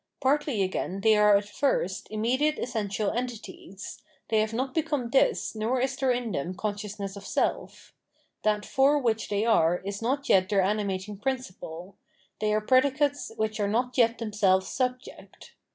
Partly, again, they are at first immediate essential entities : thev have not become this nor is there in 508 Phenomenology of Mind them consciotisness of self: that for which they are is not yet their animating principle : they are predicates which are not yet themselves subject.